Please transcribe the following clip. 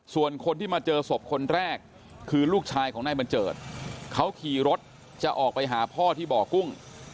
ส่วนคนที่มาเจอศพคนแรกคือลูกชายของนายบัญเจิดเขาขี่รถจะออกไปหาพ่อที่บ่อกุ้ง